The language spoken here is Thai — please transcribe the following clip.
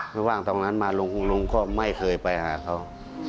ไม่ว่างตรงนั้นมาลุงก็ไม่เคยไปหาเขา